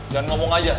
jangan ngomong aja